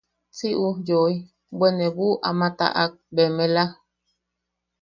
Si ujyoi, bwe ne buʼu ama taʼak bemela.